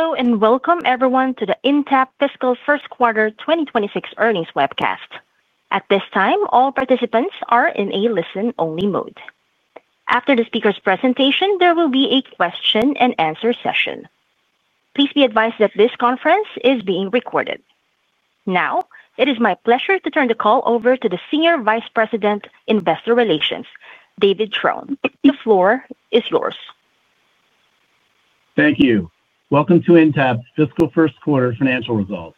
Hello, and welcome everyone to the Intapp Fiscal First Quarter 2026 earnings webcast. At this time, all participants are in a listen-only mode. After the speaker's presentation, there will be a question-and-answer session. Please be advised that this conference is being recorded. Now, it is my pleasure to turn the call over to the Senior Vice President, Investor Relations, David Trone. The floor is yours. Thank you. Welcome to Intapp Fiscal First Quarter financial results.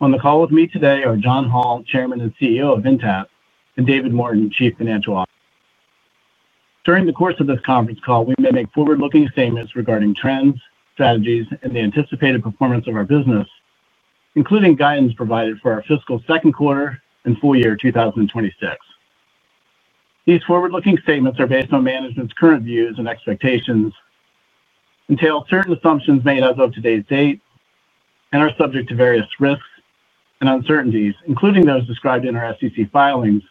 On the call with me today are John Hall, Chairman and CEO of Intapp, and David Morton, Chief Financial Officer. During the course of this conference call, we may make forward-looking statements regarding trends, strategies, and the anticipated performance of our business, including guidance provided for our fiscal second quarter and full year 2026. These forward-looking statements are based on management's current views and expectations, entail certain assumptions made as of today's date, and are subject to various risks and uncertainties, including those described in our SEC filings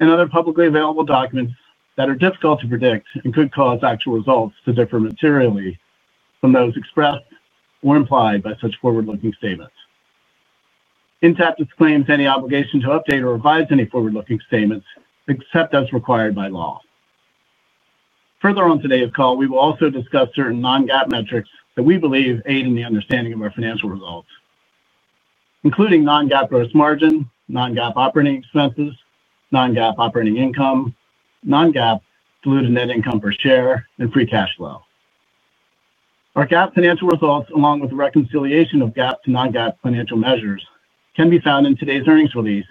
and other publicly available documents that are difficult to predict and could cause actual results to differ materially from those expressed or implied by such forward-looking statements. Intapp disclaims any obligation to update or revise any forward-looking statements except as required by law. Further on today's call, we will also discuss certain non-GAAP metrics that we believe aid in the understanding of our financial results, including non-GAAP gross margin, non-GAAP operating expenses, non-GAAP operating income, non-GAAP diluted net income per share, and free cash flow. Our GAAP financial results, along with the reconciliation of GAAP to non-GAAP financial measures, can be found in today's earnings release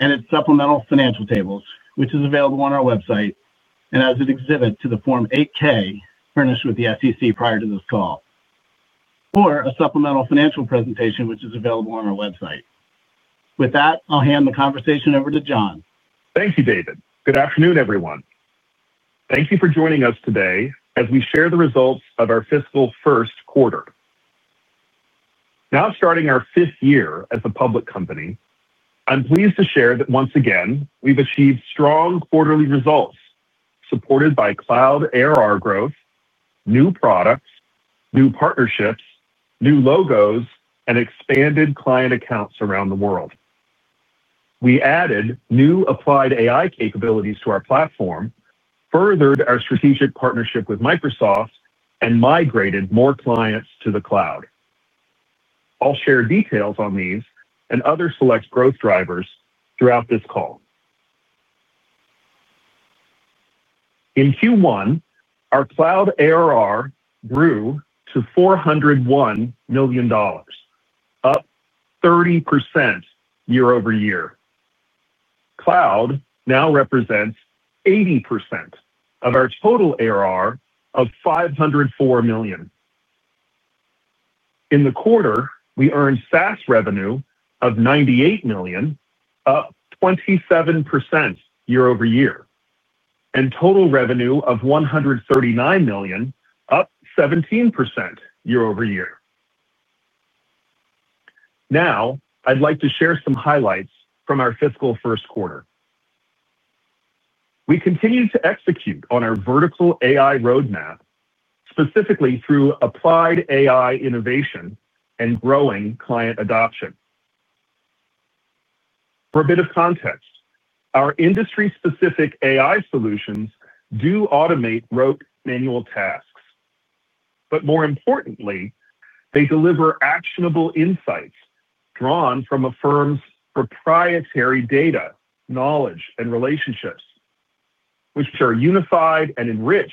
and its supplemental financial tables, which is available on our website and as an exhibit to the Form 8-K furnished with the SEC prior to this call, or a supplemental financial presentation, which is available on our website. With that, I'll hand the conversation over to John. Thank you, David. Good afternoon, everyone. Thank you for joining us today as we share the results of our fiscal first quarter. Now starting our fifth year as a public company, I'm pleased to share that once again, we've achieved strong quarterly results supported by cloud ARR growth, new products, new partnerships, new logos, and expanded client accounts around the world. We added new applied AI capabilities to our platform. Furthered our strategic partnership with Microsoft, and migrated more clients to the cloud. I'll share details on these and other select growth drivers throughout this call. In Q1, our cloud ARR grew to $401 million, up 30% year-over-year. Cloud now represents 80% of our total ARR of $504 million. In the quarter, we earned SaaS revenue of $98 million, up 27% year-over-year, and total revenue of $139 million, up 17% year-over-year. Now, I'd like to share some highlights from our fiscal first quarter. We continue to execute on our vertical AI roadmap, specifically through applied AI innovation and growing client adoption. For a bit of context, our industry-specific AI solutions do automate rote manual tasks, but more importantly, they deliver actionable insights drawn from a firm's proprietary data, knowledge, and relationships, which are unified and enriched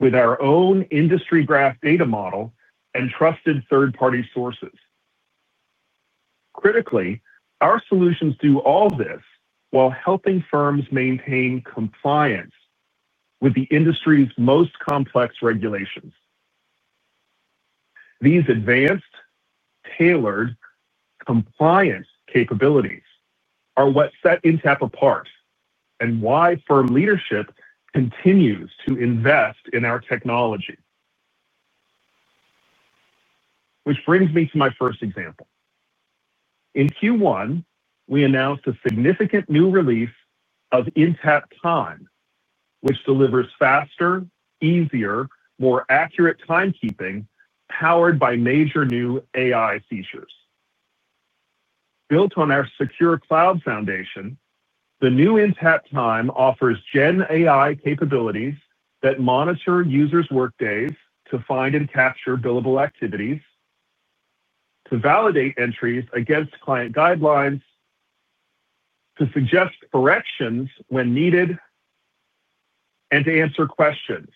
with our own industry graph data model and trusted third-party sources. Critically, our solutions do all this while helping firms maintain compliance with the industry's most complex regulations. These advanced, tailored compliance capabilities are what set Intapp apart and why firm leadership continues to invest in our technology. Which brings me to my first example. In Q1, we announced a significant new release of Intapp Time, which delivers faster, easier, more accurate timekeeping powered by major new AI features. Built on our secure cloud foundation, the new Intapp Time offers Gen AI capabilities that monitor users' workdays to find and capture billable activities, to validate entries against client guidelines, to suggest corrections when needed, and to answer questions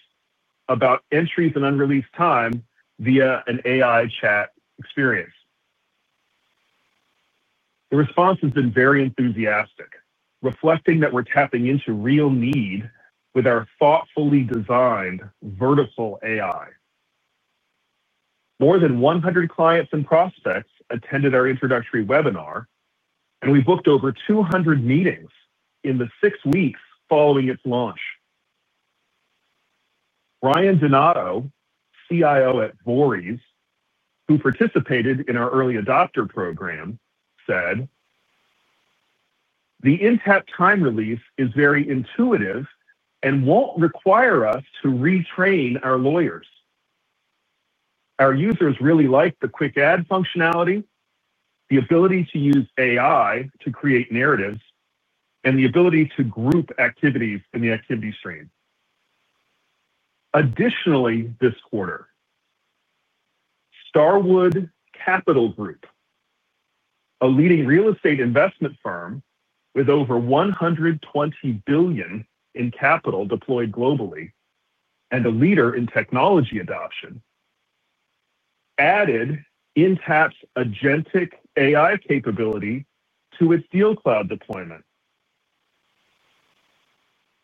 about entries and unreleased time via an AI chat experience. The response has been very enthusiastic, reflecting that we're tapping into real need with our thoughtfully designed vertical AI. More than 100 clients and prospects attended our introductory webinar, and we booked over 200 meetings in the six weeks following its launch. Ryan Donato, CIO at Vores, who participated in our early adopter program, said, "The Intapp Time release is very intuitive and won't require us to retrain our lawyers. Our users really like the quick add functionality, the ability to use AI to create narratives, and the ability to group activities in the activity stream." Additionally, this quarter, Starwood Capital Group, a leading real estate investment firm with over $120 billion in capital deployed globally and a leader in technology adoption, added Intapp's agentic AI capability to its DealCloud deployment.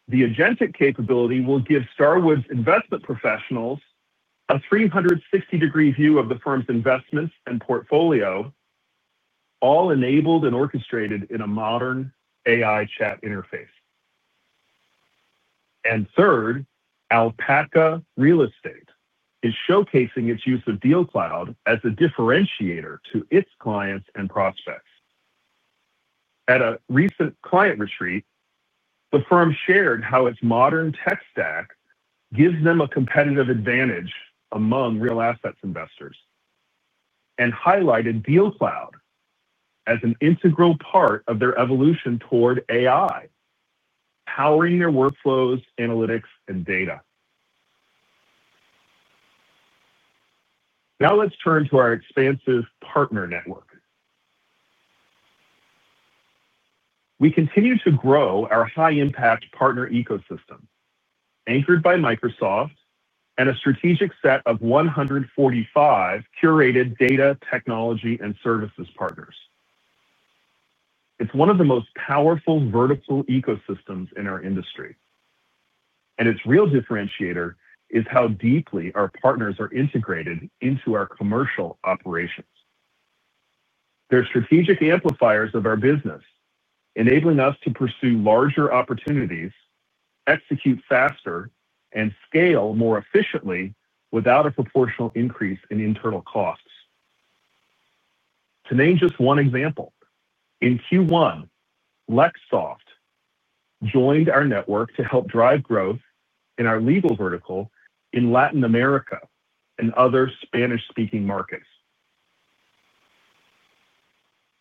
The agentic capability will give Starwood's investment professionals a 360-degree view of the firm's investments and portfolio, all enabled and orchestrated in a modern AI chat interface. And third, Alpaca Real Estate is showcasing its use of DealCloud as a differentiator to its clients and prospects. At a recent client retreat, the firm shared how its modern tech stack gives them a competitive advantage among real asset investors. And highlighted DealCloud as an integral part of their evolution toward AI, powering their workflows, analytics, and data. Now let's turn to our expansive partner network. We continue to grow our high-impact partner ecosystem, anchored by Microsoft and a strategic set of 145 curated data, technology, and services partners. It's one of the most powerful vertical ecosystems in our industry. And its real differentiator is how deeply our partners are integrated into our commercial operations. They're strategic amplifiers of our business, enabling us to pursue larger opportunities, execute faster, and scale more efficiently without a proportional increase in internal costs. To name just one example, in Q1, Lexsoft joined our network to help drive growth in our legal vertical in Latin America and other Spanish-speaking markets.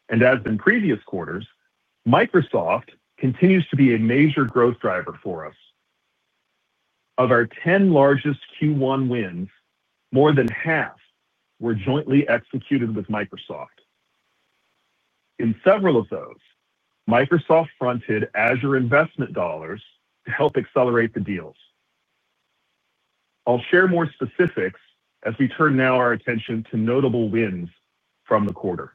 And as in previous quarters, Microsoft continues to be a major growth driver for us. Of our 10 largest Q1 wins, more than half were jointly executed with Microsoft. In several of those, Microsoft fronted Azure investment dollars to help accelerate the deals. I'll share more specifics as we turn now our attention to notable wins from the quarter.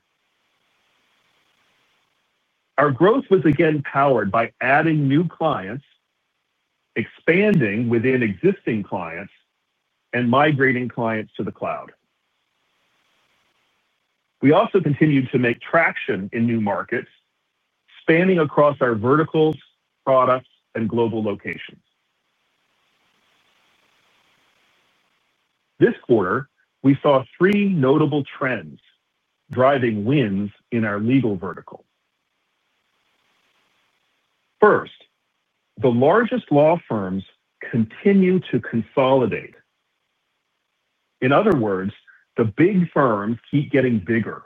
Our growth was again powered by adding new clients, expanding within existing clients, and migrating clients to the cloud. We also continued to make traction in new markets spanning across our verticals, products, and global locations. This quarter, we saw three notable trends driving wins in our legal vertical. First, the largest law firms continue to consolidate. In other words, the big firms keep getting bigger.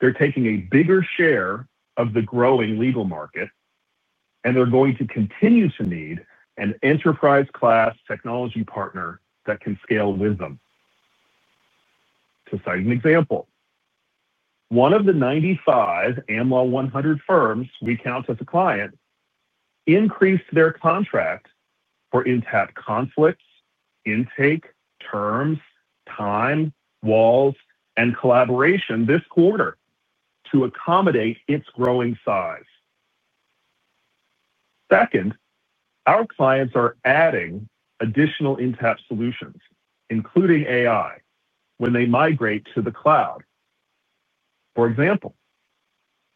They're taking a bigger share of the growing legal market. And they're going to continue to need an enterprise-class technology partner that can scale with them. To cite an example, one of the Am Law 100 firms we count as a client increased their contract for Intapp Conflicts, Intake, Terms, Time, Walls, and Collaboration this quarter to accommodate its growing size. Second, our clients are adding additional Intapp solutions, including AI, when they migrate to the cloud. For example,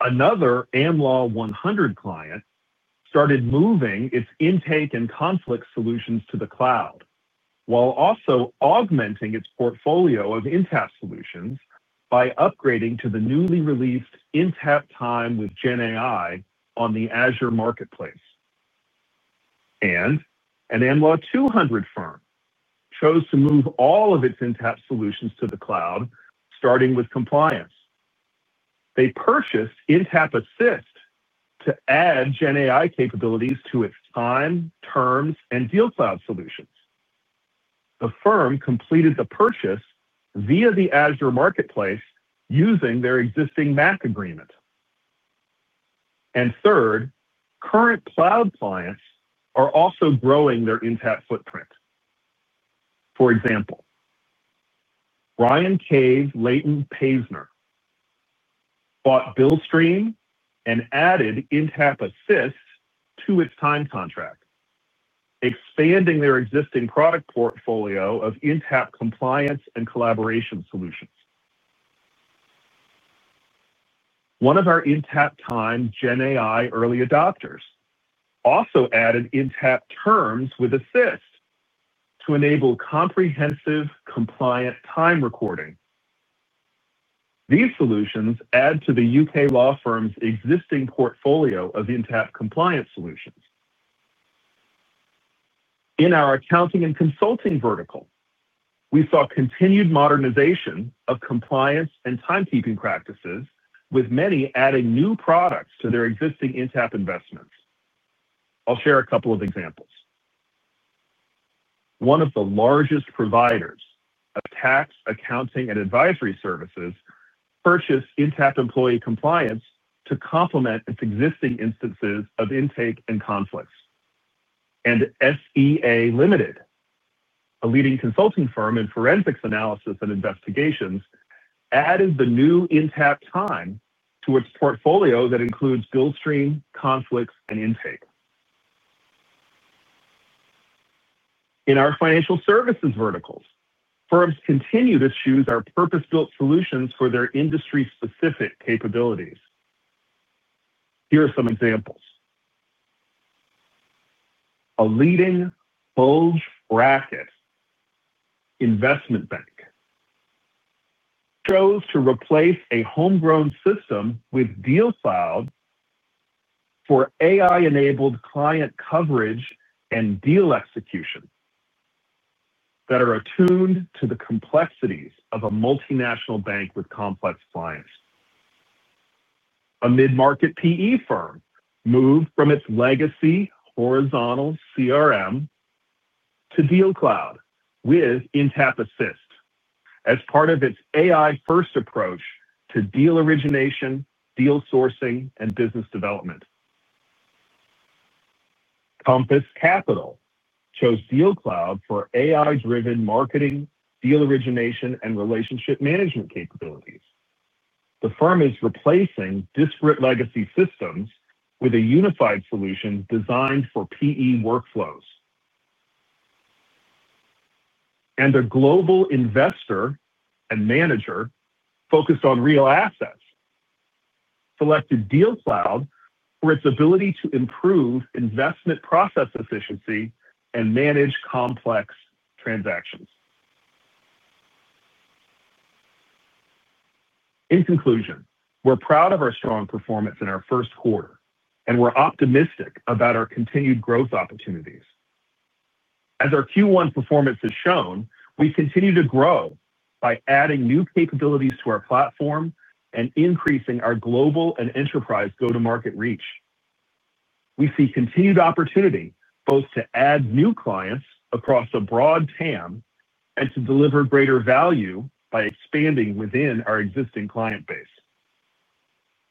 another AmLaw 100 client started moving its intake and conflict solutions to the cloud while also augmenting its portfolio of Intapp solutions by upgrading to the newly released Intapp Time with GenAI on the Azure Marketplace. And an Am Law 200 firm chose to move all of its Intapp solutions to the cloud, starting with compliance. They purchased Intapp Assist to add GenAI capabilities to its time, terms, and DealCloud solutions. The firm completed the purchase via the Azure Marketplace using their existing MAC agreement. And third, current cloud clients are also growing their Intapp footprint. For example, Brian Cave Leighton Paisner bought BillStream and added Intapp Assist to its time contract, expanding their existing product portfolio of Intapp compliance and collaboration solutions. One of our Intapp Time GenAI early adopters also added Intapp Terms with Assist to enable comprehensive compliant time recording. These solutions add to the UK law firm's existing portfolio of Intapp compliance solutions. In our accounting and consulting vertical, we saw continued modernization of compliance and timekeeping practices, with many adding new products to their existing Intapp investments. I'll share a couple of examples. One of the largest providers of tax, accounting, and advisory services purchased Intapp Employee Compliance to complement its existing instances of intake and conflicts. And SEA Limited, a leading consulting firm in forensics analysis and investigations, added the new Intapp Time to its portfolio that includes BillStream, conflicts, and intake. In our financial services verticals, firms continue to choose our purpose-built solutions for their industry-specific capabilities. Here are some examples. A leading bulge-bracket investment bank chose to replace a homegrown system with DealCloud for AI-enabled client coverage and deal execution that are attuned to the complexities of a multinational bank with complex clients. A mid-market PE firm moved from its legacy horizontal CRM to DealCloud with Intapp Assist as part of its AI-first approach to deal origination, deal sourcing, and business development. Compass Capital chose DealCloud for AI-driven marketing, deal origination, and relationship management capabilities. The firm is replacing disparate legacy systems with a unified solution designed for PE workflows. And a global investor and manager focused on real assets selected DealCloud for its ability to improve investment process efficiency and manage complex transactions. In conclusion, we're proud of our strong performance in our first quarter, and we're optimistic about our continued growth opportunities. As our Q1 performance has shown, we continue to grow by adding new capabilities to our platform and increasing our global and enterprise go-to-market reach. We see continued opportunity both to add new clients across a broad TAM and to deliver greater value by expanding within our existing client base.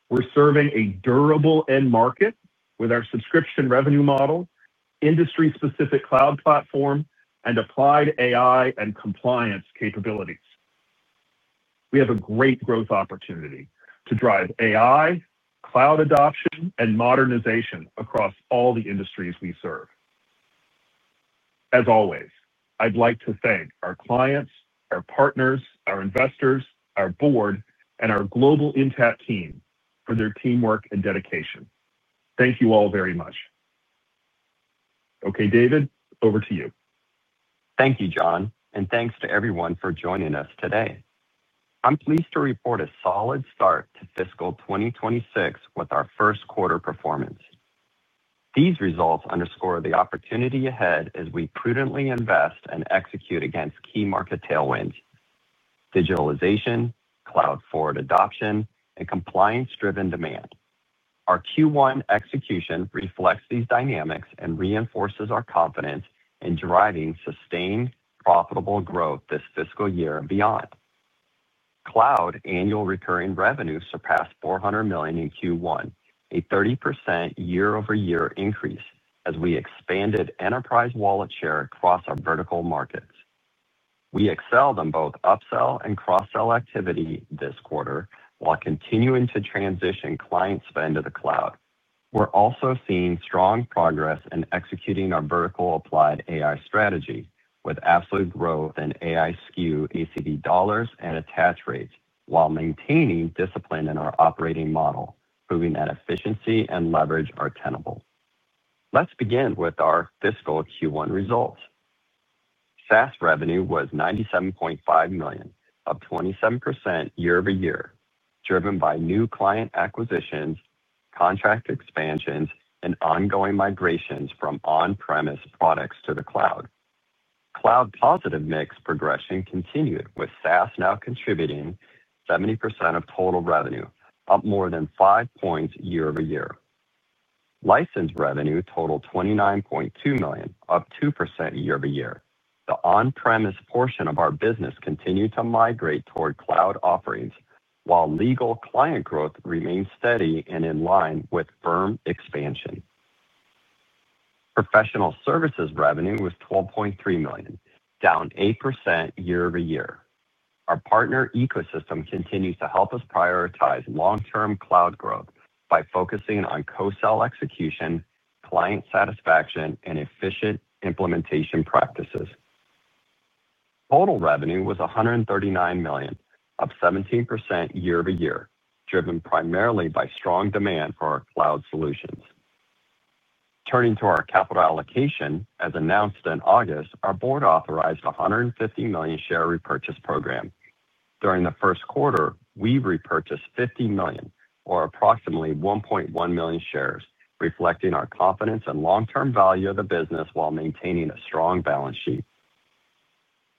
We're serving a durable end market with our subscription revenue model, industry-specific cloud platform, and applied AI and compliance capabilities. We have a great growth opportunity to drive AI, cloud adoption, and modernization across all the industries we serve. As always, I'd like to thank our clients, our partners, our investors, our board, and our global Intapp team for their teamwork and dedication. Thank you all very much. Okay, David, over to you. Thank you, John, and thanks to everyone for joining us today. I'm pleased to report a solid start to fiscal 2026 with our first quarter performance. These results underscore the opportunity ahead as we prudently invest and execute against key market tailwinds: digitalization, cloud forward adoption, and compliance-driven demand. Our Q1 execution reflects these dynamics and reinforces our confidence in driving sustained, profitable growth this fiscal year and beyond. Cloud annual recurring revenue surpassed $400 million in Q1, a 30% year-over-year increase as we expanded enterprise wallet share across our vertical markets. We excelled on both upsell and cross-sell activity this quarter while continuing to transition client spend to the cloud. We're also seeing strong progress in executing our vertical applied AI strategy with absolute growth in AI SKU, ACV dollars, and attach rates while maintaining discipline in our operating model, proving that efficiency and leverage are tenable. Let's begin with our fiscal Q1 results. SaaS revenue was $97.5 million, up 27% year-over-year, driven by new client acquisitions, contract expansions, and ongoing migrations from on-premise products to the cloud. Cloud-positive mix progression continued with SaaS now contributing 70% of total revenue, up more than five points year-over-year. License revenue totaled $29.2 million, up 2% year-over-year. The on-premise portion of our business continued to migrate toward cloud offerings while legal client growth remained steady and in line with firm expansion. Professional services revenue was $12.3 million, down 8% year-over-year. Our partner ecosystem continues to help us prioritize long-term cloud growth by focusing on co-sell execution, client satisfaction, and efficient implementation practices. Total revenue was $139 million, up 17% year-over-year, driven primarily by strong demand for our cloud solutions. Turning to our capital allocation, as announced in August, our board authorized a $150 million share repurchase program. During the first quarter, we repurchased $50 million, or approximately 1.1 million shares, reflecting our confidence and long-term value of the business while maintaining a strong balance sheet.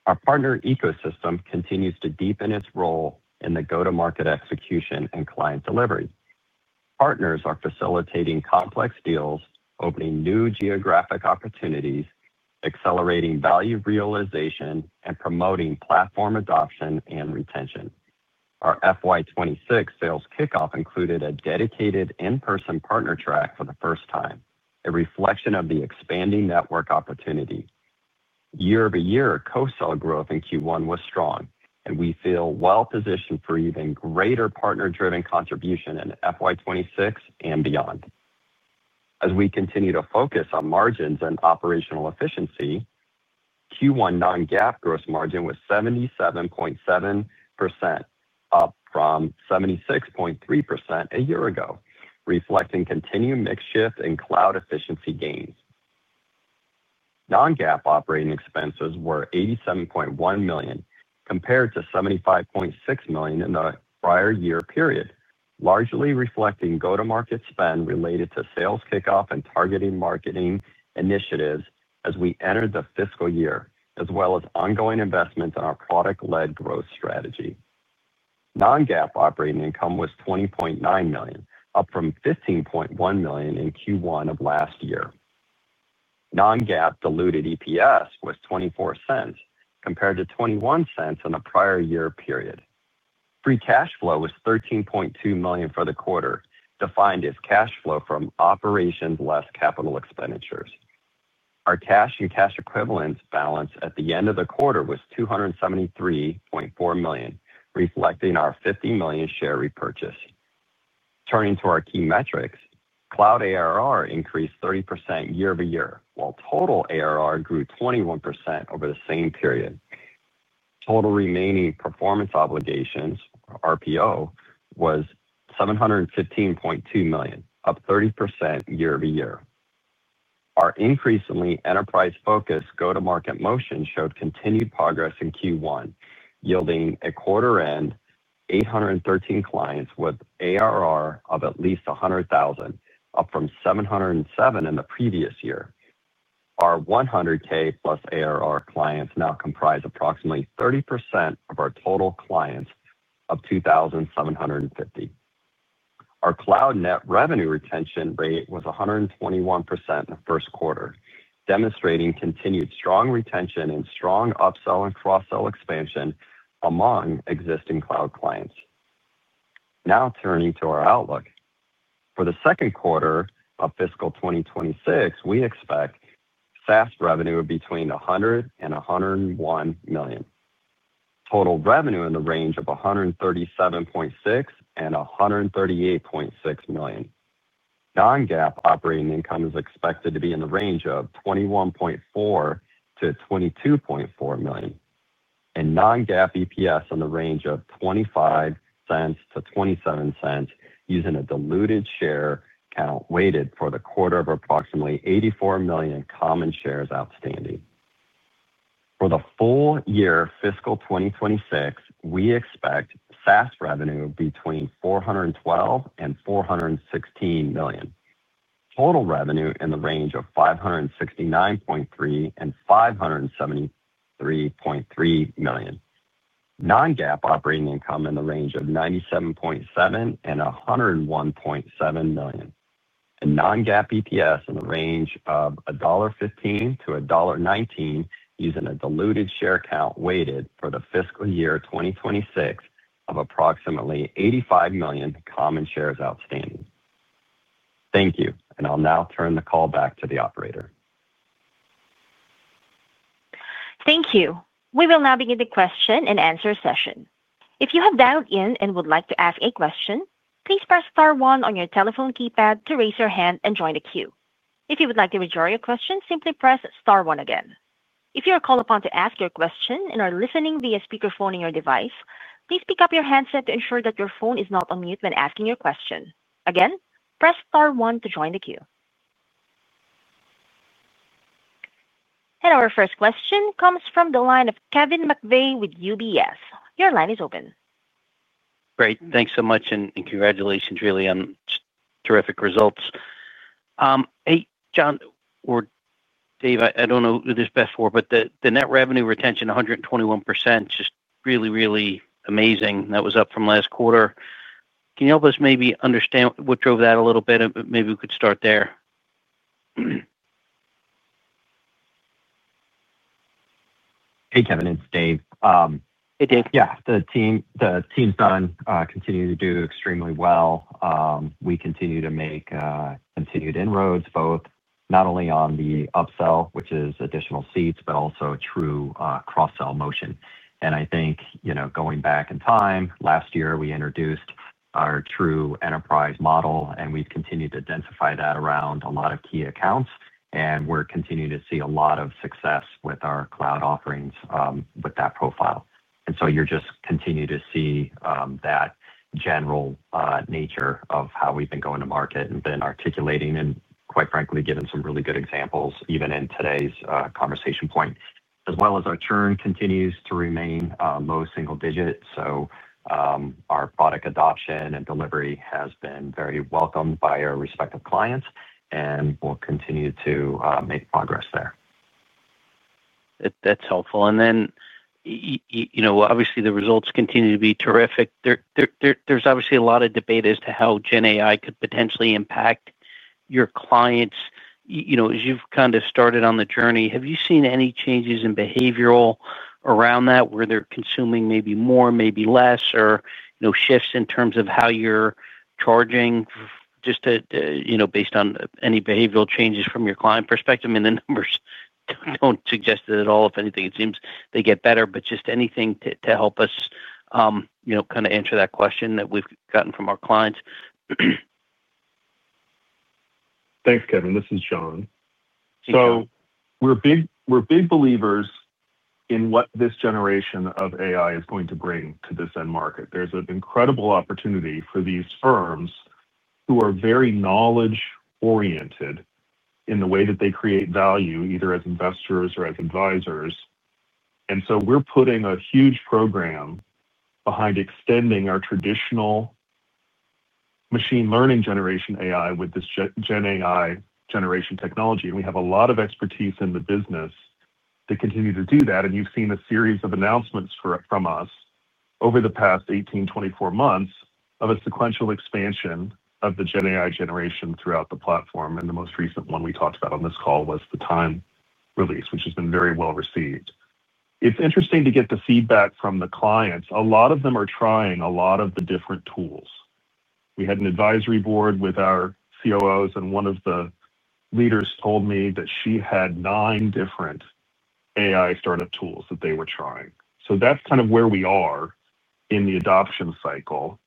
Our partner ecosystem continues to deepen its role in the go-to-market execution and client delivery. Partners are facilitating complex deals, opening new geographic opportunities, accelerating value realization, and promoting platform adoption and retention. Our FY26 sales kickoff included a dedicated in-person partner track for the first time, a reflection of the expanding network opportunity. Year-over-year, co-sell growth in Q1 was strong, and we feel well-positioned for even greater partner-driven contribution in FY26 and beyond. As we continue to focus on margins and operational efficiency. Q1 non-GAAP gross margin was 77.7%, up from 76.3% a year ago, reflecting continued mix shift and cloud efficiency gains. Non-GAAP operating expenses were $87.1 million compared to $75.6 million in the prior year period, largely reflecting go-to-market spend related to sales kickoff and targeting marketing initiatives as we entered the fiscal year, as well as ongoing investments in our product-led growth strategy. Non-GAAP operating income was $20.9 million, up from $15.1 million in Q1 of last year. Non-GAAP diluted EPS was $0.24 compared to $0.21 in the prior year period. Free cash flow was $13.2 million for the quarter, defined as cash flow from operations less capital expenditures. Our cash and cash equivalents balance at the end of the quarter was $273.4 million, reflecting our $50 million share repurchase. Turning to our key metrics, cloud ARR increased 30% year-over-year, while total ARR grew 21% over the same period. Total remaining performance obligations, or RPO, was $715.2 million, up 30% year-over-year. Our increasingly enterprise-focused go-to-market motion showed continued progress in Q1, yielding at quarter-end 813 clients with ARR of at least $100,000, up from 707 in the previous year. Our 100K plus ARR clients now comprise approximately 30% of our total clients, up $2,750. Our cloud net revenue retention rate was 121% in the first quarter, demonstrating continued strong retention and strong upsell and cross-sell expansion among existing cloud clients. Now turning to our outlook. For the second quarter of fiscal 2026, we expect SaaS revenue between $100 million-$101 million. Total revenue in the range of $137.6 million-$138.6 million. Non-GAAP operating income is expected to be in the range of $21.4 million-$22.4 million, and non-GAAP EPS in the range of $0.25-$0.27 using a diluted share count weighted for the quarter of approximately 84 million in common shares outstanding. For the full year of fiscal 2026, we expect SaaS revenue between $412 million-$416 million. Total revenue in the range of $569.3 million-$573.3 million. Non-GAAP operating income in the range of $97.7 million-$101.7 million, and non-GAAP EPS in the range of $1.15-$1.19 using a diluted share count weighted for the fiscal year 2026 of approximately 85 million in common shares outstanding. Thank you, and I'll now turn the call back to the operator. Thank you. We will now begin the question and answer session. If you have dialed in and would like to ask a question, please press star one on your telephone keypad to raise your hand and join the queue. If you would like to withdraw your question, simply press star one again. If you are called upon to ask your question and are listening via speakerphone in your device, please pick up your handset to ensure that your phone is not on mute when asking your question. Again, press star one to join the queue. And our first question comes from the line of Kevin McVeigh with UBS. Your line is open. Great. Thanks so much, and congratulations, really, on terrific results. Hey, John or Dave, I don't know who this is best for, but the net revenue retention, 121%, just really, really amazing. That was up from last quarter. Can you help us maybe understand what drove that a little bit? Maybe we could start there. Hey, Kevin. It's Dave. Hey, Dave. Yeah. The team's done continuing to do extremely well. We continue to make continued inroads, both not only on the upsell, which is additional seats, but also true cross-sell motion. And I think going back in time, last year, we introduced our true enterprise model, and we've continued to densify that around a lot of key accounts, and we're continuing to see a lot of success with our cloud offerings with that profile. And so you're just continuing to see that general nature of how we've been going to market and been articulating and, quite frankly, given some really good examples even in today's conversation point, as well as our churn continues to remain low single digit. Our product adoption and delivery has been very welcomed by our respective clients, and we'll continue to make progress there. That's helpful. And then obviously, the results continue to be terrific. There's obviously a lot of debate as to how GenAI could potentially impact your clients. As you've kind of started on the journey, have you seen any changes in behavioral around that, whether consuming maybe more, maybe less, or shifts in terms of how you're charging, just based on any behavioral changes from your client perspective? I mean, the numbers don't suggest it at all. If anything, it seems they get better. But just anything to help us kind of answer that question that we've gotten from our clients. Thanks, Kevin. This is John. We're big believers in what this generation of AI is going to bring to this end market. There's an incredible opportunity for these firms who are very knowledge-oriented in the way that they create value, either as investors or as advisors. We're putting a huge program behind extending our traditional machine learning generation AI with this GenAI generation technology. We have a lot of expertise in the business to continue to do that. You've seen a series of announcements from us over the past 18, 24 months of a sequential expansion of the GenAI generation throughout the platform. The most recent one we talked about on this call was the time release, which has been very well received. It's interesting to get the feedback from the clients. A lot of them are trying a lot of the different tools. We had an advisory board with our COOs, and one of the leaders told me that she had nine different AI startup tools that they were trying. That's kind of where we are in the adoption cycle.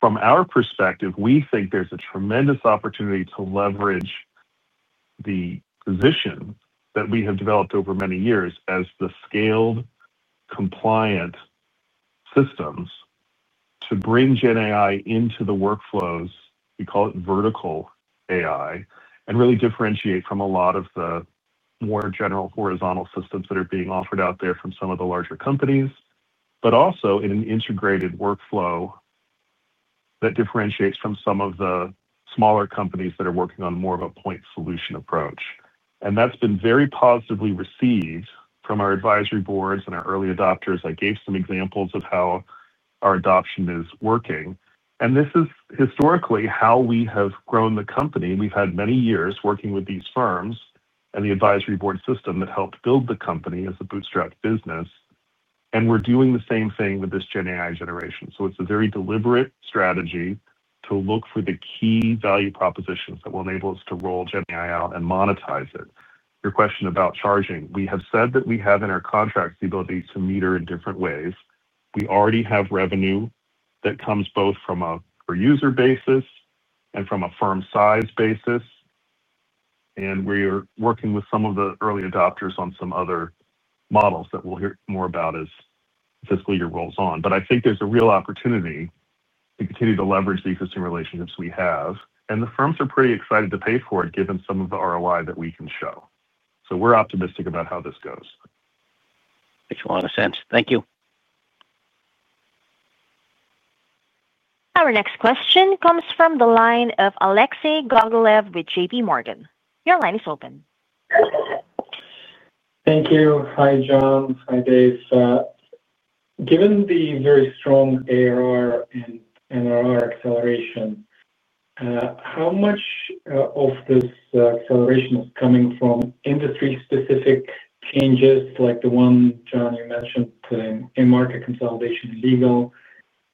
From our perspective, we think there's a tremendous opportunity to leverage the position that we have developed over many years as the scaled compliant systems to bring GenAI into the workflows. We call it vertical AI, and really differentiate from a lot of the more general horizontal systems that are being offered out there from some of the larger companies, but also in an integrated workflow that differentiates from some of the smaller companies that are working on more of a point solution approach. That's been very positively received from our advisory boards and our early adopters. I gave some examples of how our adoption is working. This is historically how we have grown the company. We've had many years working with these firms and the advisory board system that helped build the company as a bootstrap business. And we're doing the same thing with this GenAI generation. So it's a very deliberate strategy to look for the key value propositions that will enable us to roll GenAI out and monetize it. Your question about charging, we have said that we have in our contracts the ability to meter in different ways. We already have revenue that comes both from a per-user basis and from a firm-size basis. And we're working with some of the early adopters on some other models that we'll hear more about as fiscal year rolls on. But I think there's a real opportunity to continue to leverage the existing relationships we have. And the firms are pretty excited to pay for it, given some of the ROI that we can show. So we're optimistic about how this goes. Makes a lot of sense. Thank you. Our next question comes from the line of Alexei Gogolev with JPMorgan. Your line is open. Thank you. Hi, John. Hi, Dave. Given the very strong ARR and NRR acceleration. How much of this acceleration is coming from industry-specific changes like the one, John, you mentioned in market consolidation and legal?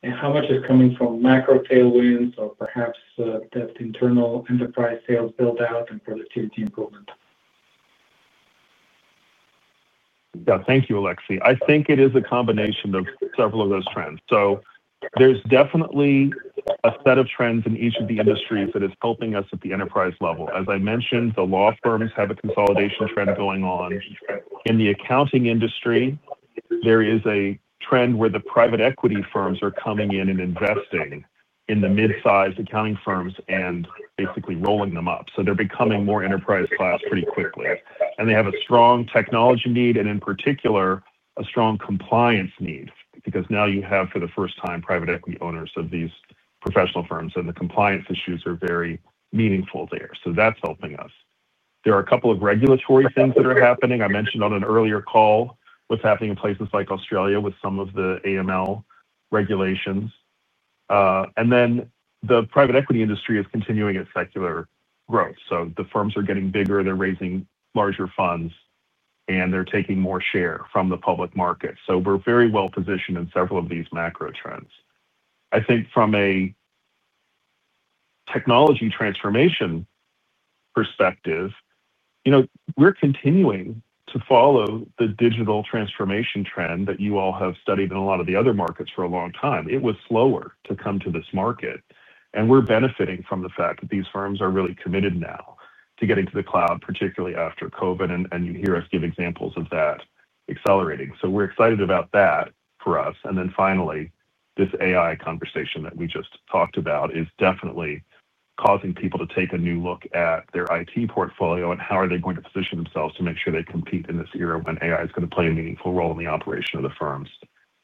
And how much is coming from macro tailwinds or perhaps that internal enterprise sales build-out and productivity improvement? Yeah. Thank you, Alexei. I think it is a combination of several of those trends. So there's definitely a set of trends in each of the industries that is helping us at the enterprise level. As I mentioned, the law firms have a consolidation trend going on. In the accounting industry, there is a trend where the private equity firms are coming in and investing in the mid-sized accounting firms and basically rolling them up. So they're becoming more enterprise-class pretty quickly. And they have a strong technology need and, in particular, a strong compliance need because now you have, for the first time, private equity owners of these professional firms, and the compliance issues are very meaningful there. So that's helping us. There are a couple of regulatory things that are happening. I mentioned on an earlier call what's happening in places like Australia with some of the AML regulations. And then the private equity industry is continuing its secular growth. So the firms are getting bigger. They're raising larger funds, and they're taking more share from the public market. So we're very well positioned in several of these macro trends. I think from a technology transformation perspective, we're continuing to follow the digital transformation trend that you all have studied in a lot of the other markets for a long time. It was slower to come to this market. And we're benefiting from the fact that these firms are really committed now to getting to the cloud, particularly after COVID, and you hear us give examples of that accelerating. So we're excited about that for us. And then finally, this AI conversation that we just talked about is definitely causing people to take a new look at their IT portfolio and how are they going to position themselves to make sure they compete in this era when AI is going to play a meaningful role in the operation of the firms.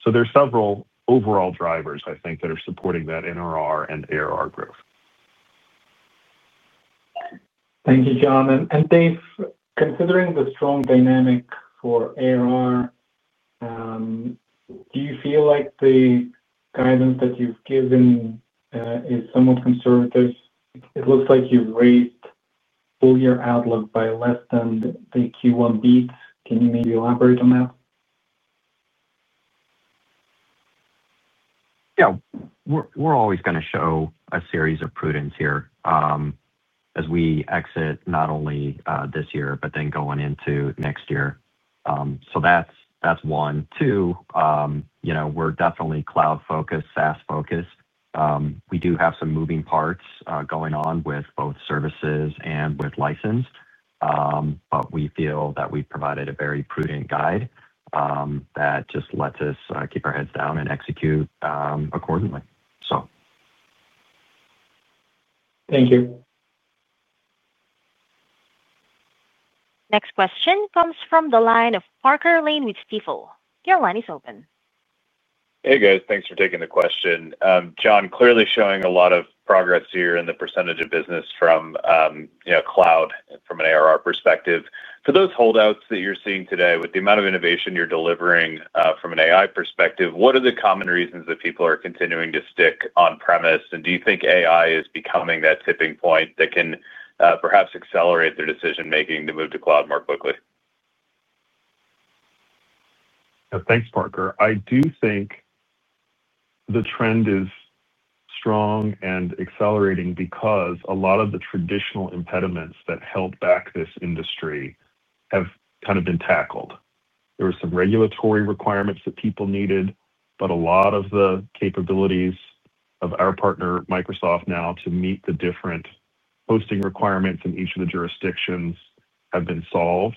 So there are several overall drivers, I think, that are supporting that NRR and ARR growth. Thank you, John. And Dave, considering the strong dynamic for ARR. Do you feel like the guidance that you've given is somewhat conservative? It looks like you've raised all your outlook by less than the Q1 beat. Can you maybe elaborate on that? Yeah. We're always going to show a series of prudence here as we exit not only this year but then going into next year. So that's one. Two. We're definitely cloud-focused, SaaS-focused. We do have some moving parts going on with both services and with license. But we feel that we've provided a very prudent guide that just lets us keep our heads down and execute accordingly, so. Thank you. Next question comes from the line of Parker Lane with Stifel. Your line is open. Hey, guys. Thanks for taking the question. John, clearly showing a lot of progress here in the percentage of business from cloud, from an ARR perspective. For those holdouts that you're seeing today, with the amount of innovation you're delivering from an AI perspective, what are the common reasons that people are continuing to stick on-premise? And do you think AI is becoming that tipping point that can perhaps accelerate their decision-making to move to cloud more quickly? Thanks, Parker. I do think the trend is strong and accelerating because a lot of the traditional impediments that held back this industry have kind of been tackled. There were some regulatory requirements that people needed, but a lot of the capabilities of our partner, Microsoft, now to meet the different hosting requirements in each of the jurisdictions have been solved.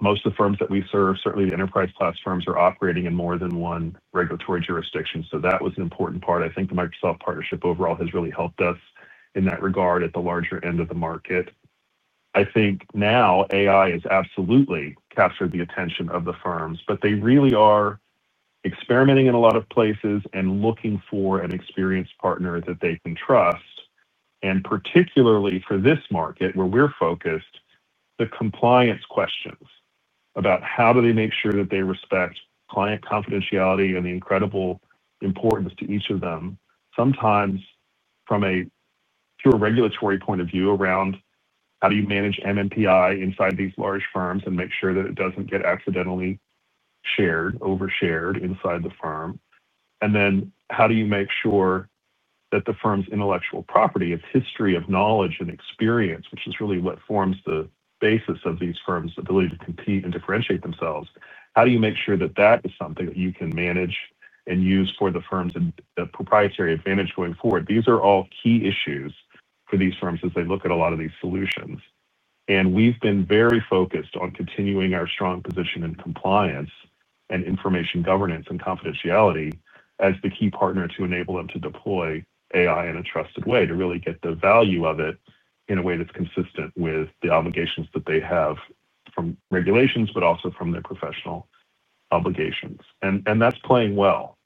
Most of the firms that we serve, certainly the enterprise-class firms, are operating in more than one regulatory jurisdiction. So that was an important part. I think the Microsoft partnership overall has really helped us in that regard at the larger end of the market. I think now AI has absolutely captured the attention of the firms, but they really are experimenting in a lot of places and looking for an experienced partner that they can trust. And particularly for this market where we're focused, the compliance questions about how do they make sure that they respect client confidentiality and the incredible importance to each of them, sometimes from a pure regulatory point of view around how do you manage MMPI inside these large firms and make sure that it doesn't get accidentally shared, overshared inside the firm. And then how do you make sure that the firm's intellectual property, its history of knowledge and experience, which is really what forms the basis of these firms' ability to compete and differentiate themselves, how do you make sure that that is something that you can manage and use for the firm's proprietary advantage going forward? These are all key issues for these firms as they look at a lot of these solutions. And we've been very focused on continuing our strong position in compliance and information governance and confidentiality as the key partner to enable them to deploy AI in a trusted way, to really get the value of it in a way that's consistent with the obligations that they have from regulations, but also from their professional obligations. And that's playing well.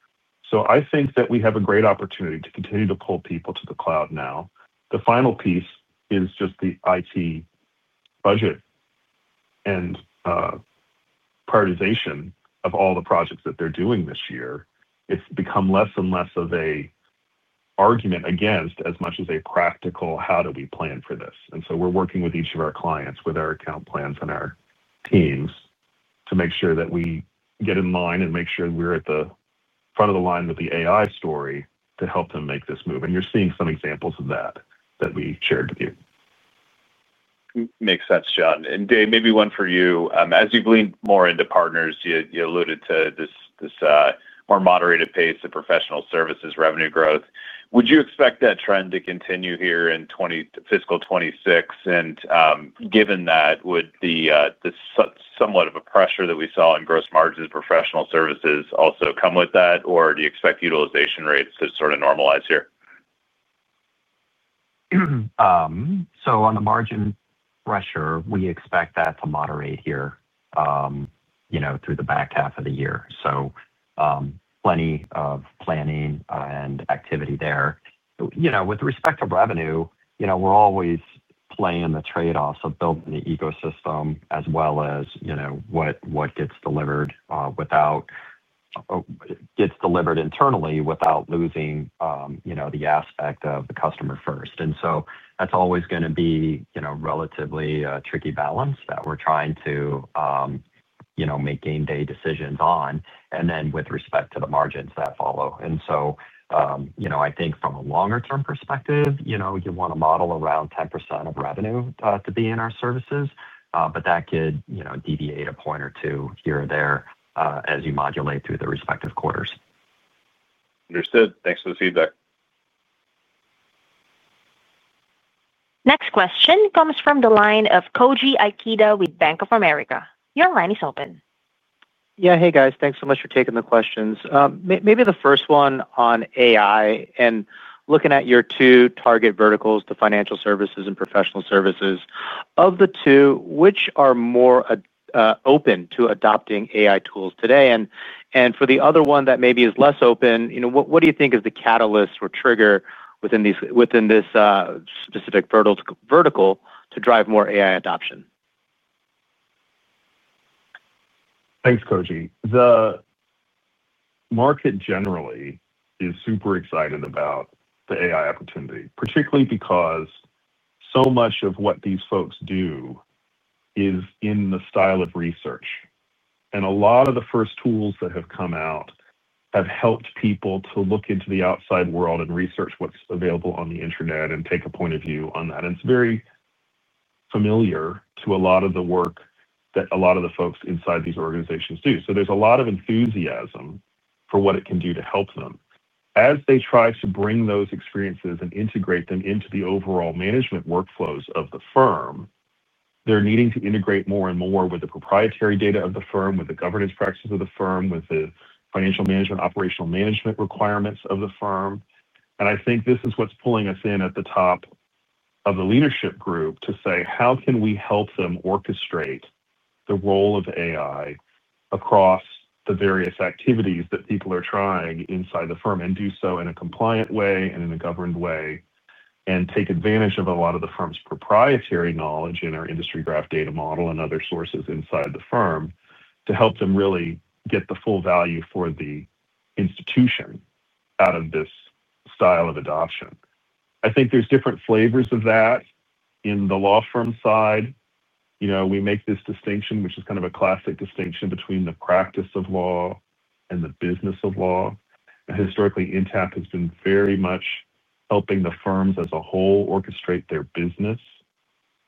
So I think that we have a great opportunity to continue to pull people to the cloud now. The final piece is just the IT budget and prioritization of all the projects that they're doing this year. It's become less and less of an argument against as much as a practical, "How do we plan for this?" And so we're working with each of our clients, with our account plans and our teams, to make sure that we get in line and make sure we're at the front of the line with the AI story to help them make this move. And you're seeing some examples of that that we shared with you. Makes sense, John. And Dave, maybe one for you. As you've leaned more into partners, you alluded to this more moderated pace of professional services revenue growth. Would you expect that trend to continue here in fiscal 26? And given that, would the somewhat of a pressure that we saw in gross margins of professional services also come with that, or do you expect utilization rates to sort of normalize here? So on the margin pressure, we expect that to moderate here through the back half of the year. So plenty of planning and activity there. With respect to revenue, we're always playing the trade-offs of building the ecosystem as well as what gets delivered internally without losing the aspect of the customer first. And so that's always going to be a relatively tricky balance that we're trying to make game-day decisions on, and then with respect to the margins that follow. And so I think from a longer-term perspective, you want to model around 10% of revenue to be in our services, but that could deviate a point or two here or there as you modulate through the respective quarters. Understood. Thanks for the feedback. Next question comes from the line of Koji Ikeda, with Bank of America. Your line is open. Yeah. Hey, guys. Thanks so much for taking the questions. Maybe the first one on AI and looking at your two target verticals, the financial services and professional services. Of the two, which are more. Open to adopting AI tools today? And for the other one that maybe is less open, what do you think is the catalyst or trigger within this specific vertical to drive more AI adoption? Thanks, Koji. The market generally is super excited about the AI opportunity, particularly because so much of what these folks do is in the style of research. And a lot of the first tools that have come out have helped people to look into the outside world and research what's available on the internet and take a point of view on that. And it's very familiar to a lot of the work that a lot of the folks inside these organizations do. So there's a lot of enthusiasm for what it can do to help them. As they try to bring those experiences and integrate them into the overall management workflows of the firm, they're needing to integrate more and more with the proprietary data of the firm, with the governance practices of the firm, with the financial management, operational management requirements of the firm. And I think this is what's pulling us in at the top of the leadership group to say, "How can we help them orchestrate the role of AI across the various activities that people are trying inside the firm and do so in a compliant way and in a governed way and take advantage of a lot of the firm's proprietary knowledge in our industry graph data model and other sources inside the firm to help them really get the full value for the institution out of this style of adoption?" I think there's different flavors of that in the law firm side. We make this distinction, which is kind of a classic distinction between the practice of law and the business of law. And historically, Intapp has been very much helping the firms as a whole orchestrate their business.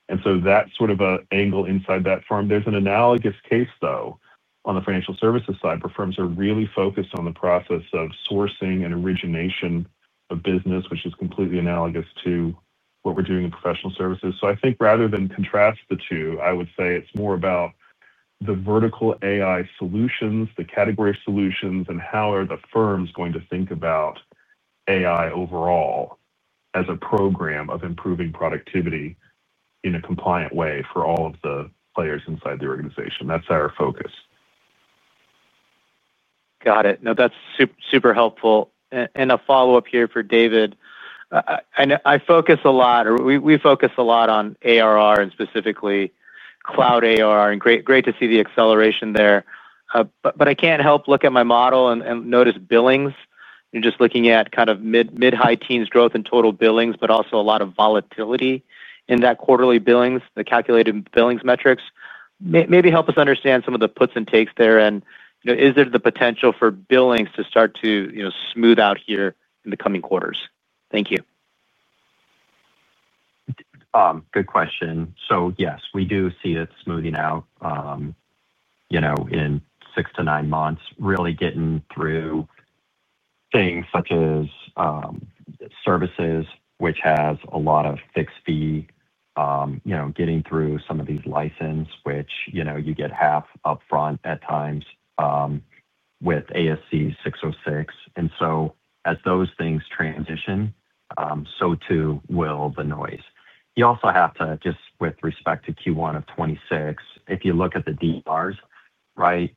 And so that's sort of an angle inside that firm. There's an analogous case, though, on the financial services side, where firms are really focused on the process of sourcing and origination of business, which is completely analogous to what we're doing in professional services. So I think rather than contrast the two, I would say it's more about the vertical AI solutions, the category of solutions, and how are the firms going to think about AI overall as a program of improving productivity in a compliant way for all of the players inside the organization. That's our focus. Got it. No, that's super helpful. And a follow-up here for David. I focus a lot or we focus a lot on ARR and specifically cloud ARR. And great to see the acceleration there. But I can't help look at my model and notice billings, just looking at kind of mid-high teens growth in total billings, but also a lot of volatility in that quarterly billings, the calculated billings metrics. Maybe help us understand some of the puts and takes there. Is there the potential for billings to start to smooth out here in the coming quarters? Thank you. Good question. So yes, we do see it smoothing out. In six to nine months, really getting through. Things such as. Services, which has a lot of fixed fee, getting through some of these licenses, which you get half upfront at times. With ASC 606. And so as those things transition. So too will the noise. You also have to, just with respect to Q1 of 2026, if you look at the DRs, right,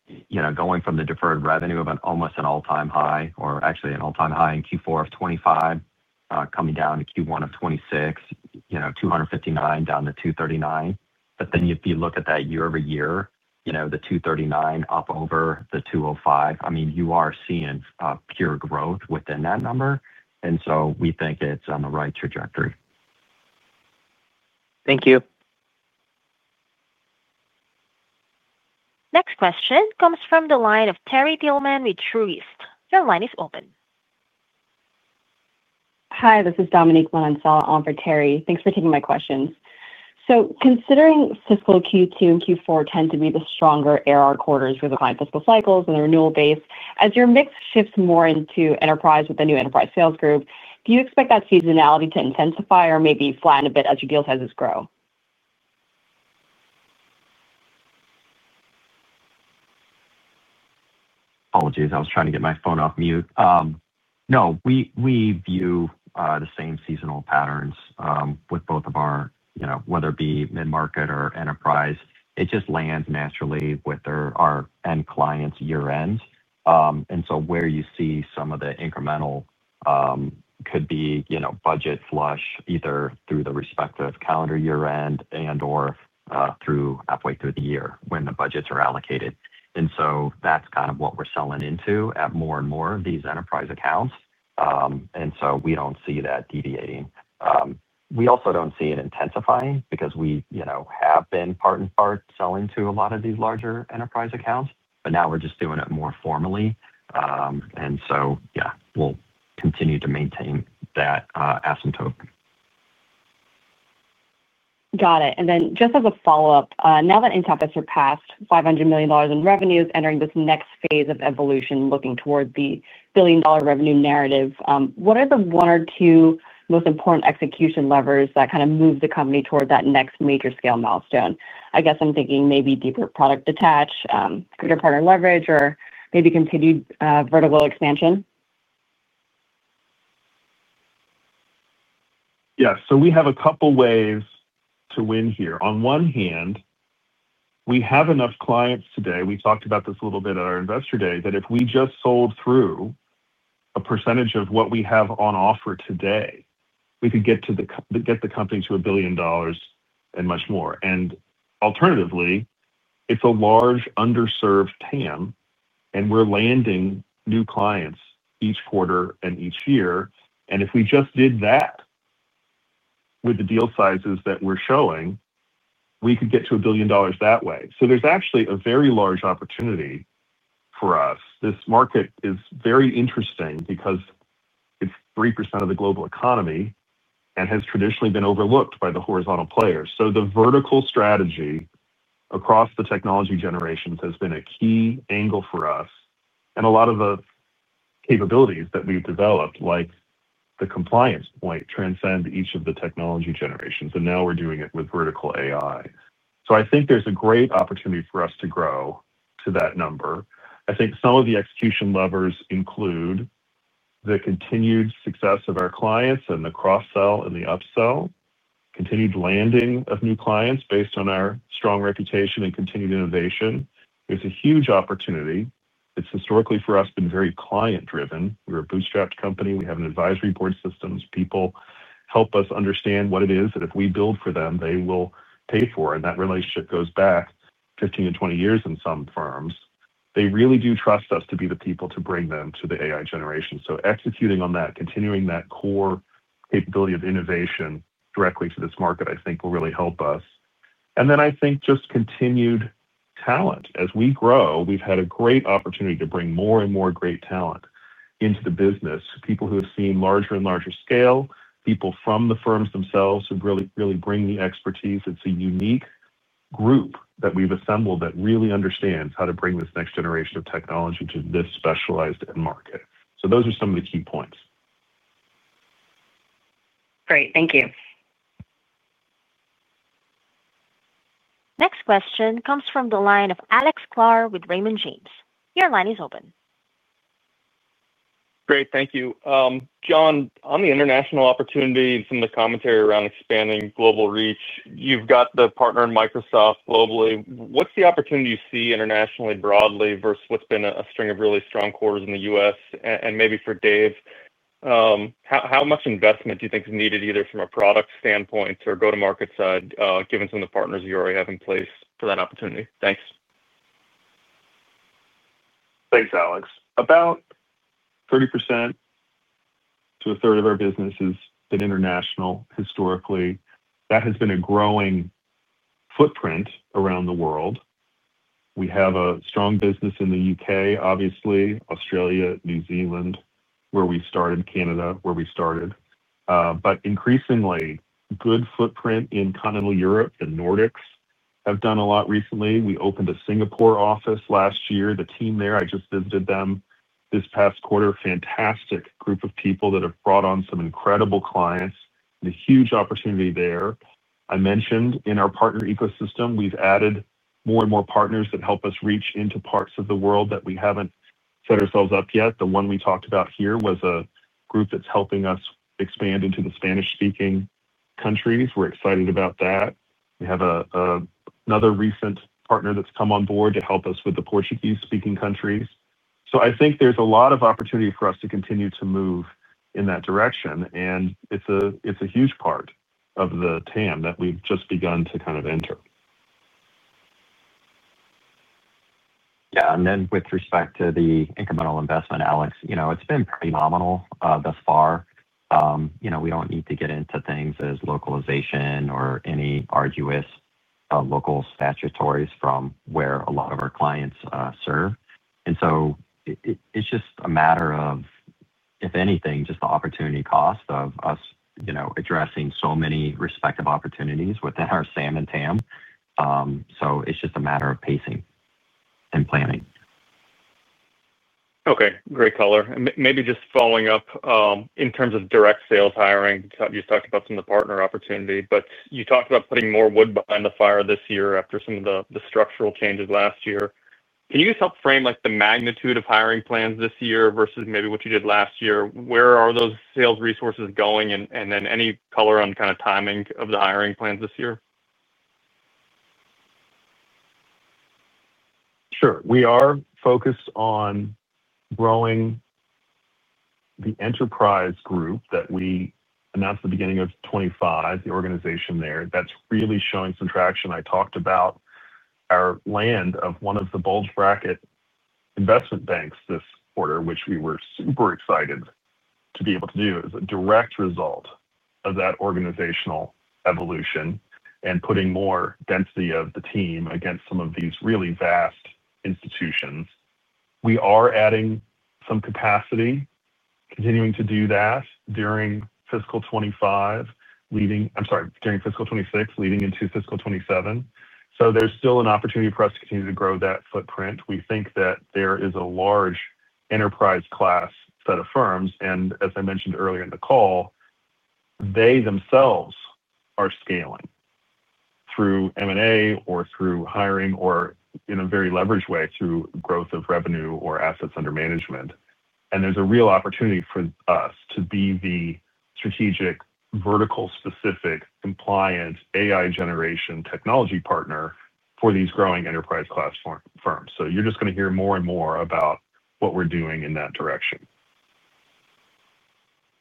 going from the deferred revenue of almost an all-time high, or actually an all-time high in Q4 of 2025, coming down to Q1 of 2026. 259 down to 239. But then if you look at that year-over-year, the 239 up over the 205, I mean, you are seeing pure growth within that number. And so we think it's on the right trajectory. Thank you. Next question comes from the line of Terry Gilman with Truist. Your line is open. Hi, this is Dominique on for Terry. Thanks for taking my questions. So considering fiscal Q2 and Q4 tend to be the stronger ARR quarters for the client fiscal cycles and the renewal base, as your mix shifts more into enterprise with the new enterprise sales group, do you expect that seasonality to intensify or maybe flatten a bit as your deal sizes grow? Apologies. I was trying to get my phone off mute. No, we view the same seasonal patterns with both of our, whether it be mid-market or enterprise. It just lands naturally with our end clients year-end. And so where you see some of the incremental. Could be budget flush either through the respective calendar year-end and/or through halfway through the year when the budgets are allocated. And so that's kind of what we're selling into at more and more of these enterprise accounts. And so we don't see that deviating. We also don't see it intensifying because we have been part and parcel into a lot of these larger enterprise accounts, but now we're just doing it more formally. And so, yeah, we'll continue to maintain that asymptote. Got it. And then just as a follow-up, now that Intapp has surpassed $500 million in revenues, entering this next phase of evolution looking toward the billion-dollar revenue narrative, what are the one or two most important execution levers that kind of move the company toward that next major scale milestone? I guess I'm thinking maybe deeper product attach, greater partner leverage, or maybe continued vertical expansion. Yeah. So we have a couple of ways to win here. On one hand. We have enough clients today. We talked about this a little bit at our investor day that if we just sold through. A percentage of what we have on offer today, we could get the company to a billion dollars and much more. And alternatively, it's a large underserved TAM, and we're landing new clients each quarter and each year. And if we just did that with the deal sizes that we're showing, we could get to a billion dollars that way. So there's actually a very large opportunity for us. This market is very interesting because it's 3% of the global economy and has traditionally been overlooked by the horizontal players. So the vertical strategy across the technology generations has been a key angle for us. And a lot of the capabilities that we've developed, like the compliance point, transcend each of the technology generations. And now we're doing it with vertical AI. So I think there's a great opportunity for us to grow to that number. I think some of the execution levers include the continued success of our clients and the cross-sell and the upsell, continued landing of new clients based on our strong reputation and continued innovation. There's a huge opportunity. It's historically for us been very client-driven. We're a bootstrapped company. We have an advisory board of systems people help us understand what it is that if we build for them, they will pay for. And that relationship goes back 15-20 years in some firms. They really do trust us to be the people to bring them to the AI generation. So executing on that, continuing that core capability of innovation directly to this market, I think, will really help us. And then I think just continued talent. As we grow, we've had a great opportunity to bring more and more great talent into the business. People who have seen larger and larger scale, people from the firms themselves who really bring the expertise. It's a unique group that we've assembled that really understands how to bring this next generation of technology to this specialized market. So those are some of the key points. Great. Thank you. Next question comes from the line of Alex Sklar with Raymond James. Your line is open. Great. Thank you. John, on the international opportunity from the commentary around expanding global reach, you've got the partner in Microsoft globally. What's the opportunity you see internationally broadly versus what's been a string of really strong quarters in the US? And maybe for Dave. How much investment do you think is needed either from a product standpoint or go-to-market side, given some of the partners you already have in place for that opportunity? Thanks. Thanks, Alex. About 30% to a third of our business has been international historically. That has been a growing footprint around the world. We have a strong business in the UK, obviously, Australia, New Zealand, where we started, Canada where we started. But increasingly, good footprint in continental Europe and Nordics have done a lot recently. We opened a Singapore office last year. The team there, I just visited them this past quarter. Fantastic group of people that have brought on some incredible clients. The huge opportunity there. I mentioned in our partner ecosystem, we've added more and more partners that help us reach into parts of the world that we haven't set ourselves up yet. The one we talked about here was a group that's helping us expand into the Spanish-speaking countries. We're excited about that. We have another recent partner that's come on board to help us with the Portuguese-speaking countries. So I think there's a lot of opportunity for us to continue to move in that direction. And it's a huge part of the TAM that we've just begun to kind of enter. Yeah. And then with respect to the incremental investment, Alex, it's been pretty nominal thus far. We don't need to get into things like localization or any arduous local statutory from where a lot of our clients serve. And so it's just a matter of if anything, just the opportunity cost of us addressing so many respective opportunities within our SAM and TAM. So it's just a matter of pacing and planning. Okay. Great color. Maybe just following up in terms of direct sales hiring, you talked about some of the partner opportunity. But you talked about putting more wood behind the fire this year after some of the structural changes last year. Can you just help frame the magnitude of hiring plans this year versus maybe what you did last year? Where are those sales resources going? And then any color on kind of timing of the hiring plans this year? Sure. We are focused on growing the enterprise group that we announced at the beginning of 2025, the organization there that's really showing some traction. I talked about our land of one of the bulge-bracket investment banks this quarter, which we were super excited to be able to do as a direct result of that organizational evolution and putting more density of the team against some of these really vast institutions. We are adding some capacity, continuing to do that during fiscal 2025, leading. I'm sorry. During fiscal 2026, leading into fiscal 2027. So there's still an opportunity for us to continue to grow that footprint. We think that there is a large enterprise class set of firms. And as I mentioned earlier in the call, they themselves are scaling through M&A or through hiring or in a very leveraged way through growth of revenue or assets under management. And there's a real opportunity for us to be the strategic vertical-specific compliant AI generation technology partner for these growing enterprise-class firms. So you're just going to hear more and more about what we're doing in that direction.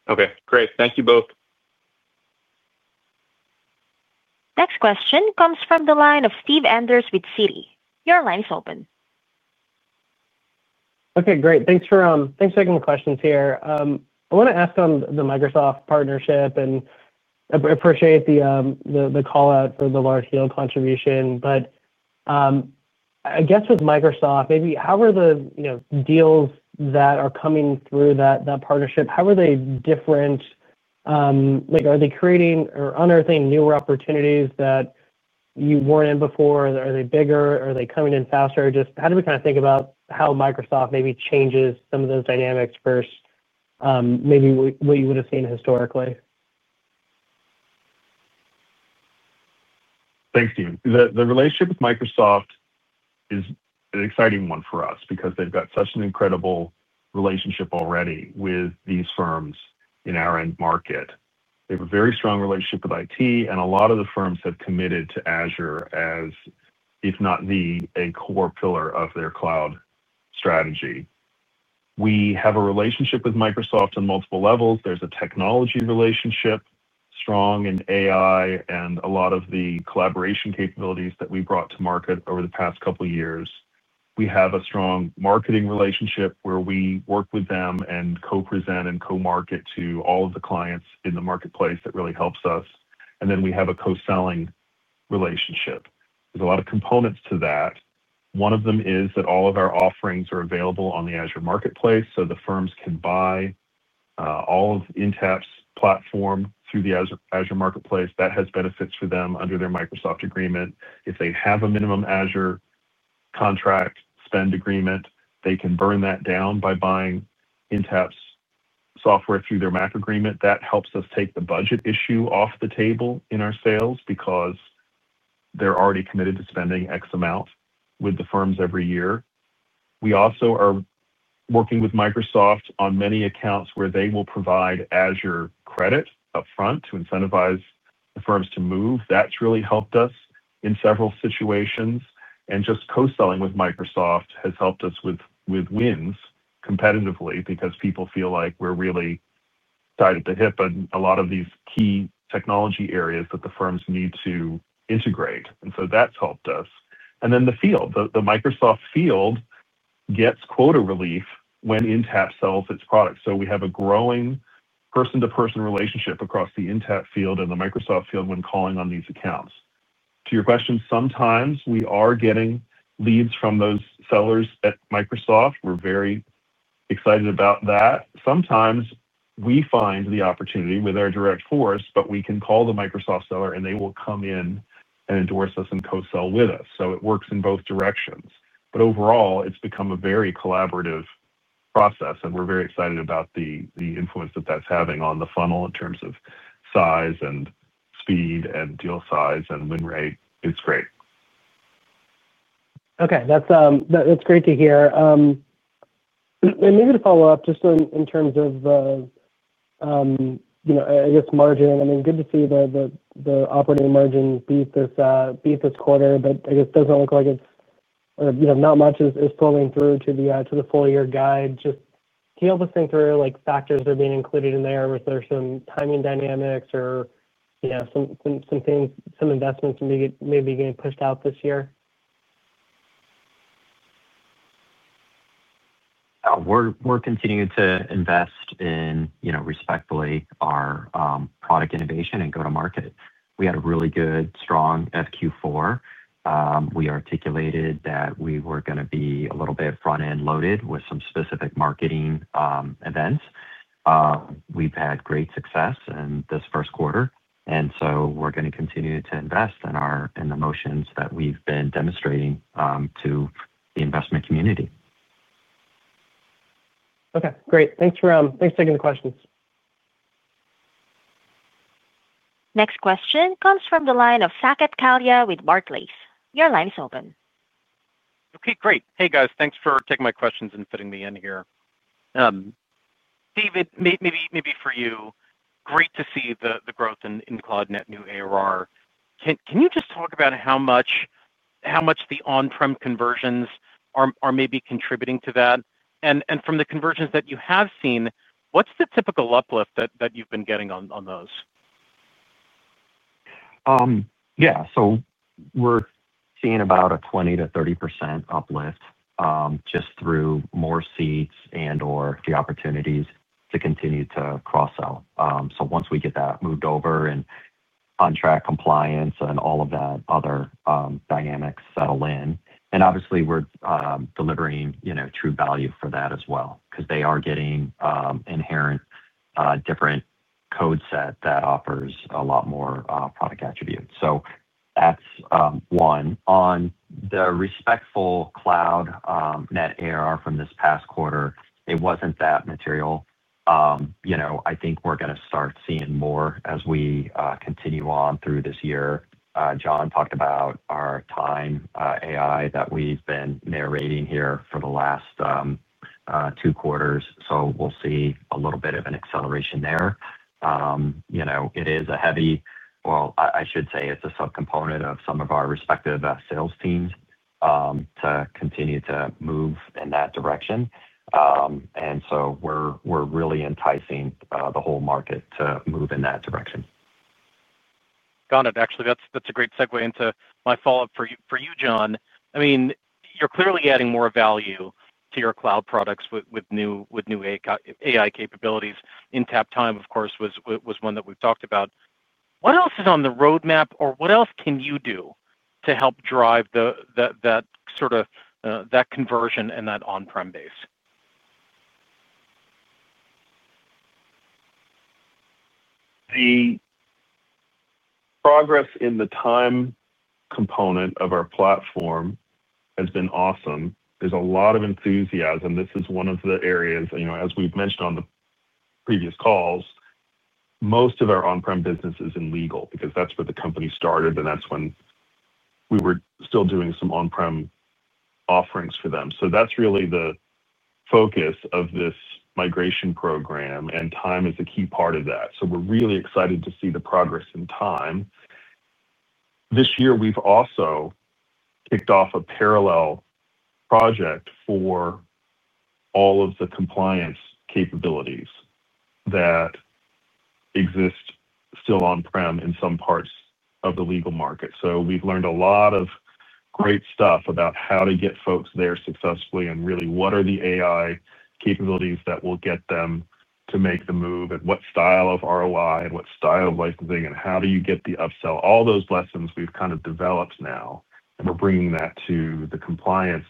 Okay. Great. Thank you both. Next question comes from the line of Steve Anderson with Citi. Your line is open. Okay. Great. Thanks for taking the questions here. I want to ask on the Microsoft partnership and appreciate the call-out for the large deal contribution. But. I guess with Microsoft, maybe how are the deals that are coming through that partnership, how are they different? Are they creating or unearthing newer opportunities that you weren't in before? Are they bigger? Are they coming in faster? Just how do we kind of think about how Microsoft maybe changes some of those dynamics versus maybe what you would have seen historically? Thanks, Steve. The relationship with Microsoft is an exciting one for us because they've got such an incredible relationship already with these firms in our end market. They have a very strong relationship with IT, and a lot of the firms have committed to Azure as, if not the, a core pillar of their cloud strategy. We have a relationship with Microsoft on multiple levels. There's a technology relationship, strong in AI and a lot of the collaboration capabilities that we brought to market over the past couple of years. We have a strong marketing relationship where we work with them and co-present and co-market to all of the clients in the marketplace that really helps us. And then we have a co-selling relationship. There's a lot of components to that. One of them is that all of our offerings are available on the Azure Marketplace so the firms can buy all of Intapp's platform through the Azure Marketplace. That has benefits for them under their Microsoft agreement. If they have a minimum Azure contract spend agreement, they can burn that down by buying Intapp's software through their Microsoft agreement. That helps us take the budget issue off the table in our sales because they're already committed to spending X amount with the firms every year. We also are working with Microsoft on many accounts where they will provide Azure credit upfront to incentivize the firms to move. That's really helped us in several situations. And just co-selling with Microsoft has helped us with wins competitively because people feel like we're really tied at the hip in a lot of these key technology areas that the firms need to integrate. And so that's helped us. And then the field, the Microsoft field, gets quota relief when Intapp sells its products. So we have a growing person-to-person relationship across the Intapp field and the Microsoft field when calling on these accounts. To your question, sometimes we are getting leads from those sellers at Microsoft. We're very excited about that. Sometimes we find the opportunity with our direct sales force, but we can call the Microsoft seller, and they will come in and endorse us and co-sell with us. So it works in both directions. But overall, it's become a very collaborative process, and we're very excited about the influence that that's having on the funnel in terms of size and speed and deal size and win rate. It's great. Okay. That's great to hear. And maybe to follow up, just in terms of. I guess, margin, I mean, good to see the operating margin beat this quarter, but I guess it doesn't look like it's or not much is flowing through to the full-year guide. Just can you help us think through factors that are being included in there? Was there some timing dynamics or some investments maybe getting pushed out this year? We're continuing to invest in, respectfully, our product innovation and go-to-market. We had a really good, strong FQ4. We articulated that we were going to be a little bit front-end loaded with some specific marketing events. We've had great success in this first quarter. And so we're going to continue to invest in the motions that we've been demonstrating to the investment community. Okay. Great. Thanks for taking the questions. Next question comes from the line of Saket Kalia with Barclays. Your line is open. Okay. Great. Hey, guys. Thanks for taking my questions and fitting me in here. David, maybe for you, great to see the growth in cloud net new ARR. Can you just talk about how much the on-prem conversions are maybe contributing to that? And from the conversions that you have seen, what's the typical uplift that you've been getting on those? Yeah. So we're seeing about a 20%-30% uplift just through more seats and/or the opportunities to continue to cross-sell. So once we get that moved over and contract compliance and all of that other dynamics settle in. And obviously, we're delivering true value for that as well because they are getting inherent different code set that offers a lot more product attributes. So that's one. On the respective cloud net new ARR from this past quarter, it wasn't that material. I think we're going to start seeing more as we continue on through this year. John talked about our Intapp Time that we've been narrating here for the last two quarters. So we'll see a little bit of an acceleration there. It is a heavy, well, I should say it's a subcomponent of some of our respective sales teams to continue to move in that direction. And so we're really enticing the whole market to move in that direction. Got it. Actually, that's a great segue into my follow-up for you, John. I mean, you're clearly adding more value to your cloud products with new AI capabilities. Intapp Time, of course, was one that we've talked about. What else is on the roadmap, or what else can you do to help drive that sort of conversion and that on-prem base? The progress in the time component of our platform has been awesome. There's a lot of enthusiasm. This is one of the areas, as we've mentioned on the previous calls. Most of our on-prem business is in legal because that's where the company started, and that's when we were still doing some on-prem offerings for them. So that's really the focus of this migration program, and time is a key part of that. So we're really excited to see the progress in Time. This year, we've also kicked off a parallel project for all of the compliance capabilities that exist still on-prem in some parts of the legal market. So we've learned a lot of great stuff about how to get folks there successfully and really what are the AI capabilities that will get them to make the move and what style of ROI and what style of licensing and how do you get the upsell. All those lessons we've kind of developed now, and we're bringing that to the compliance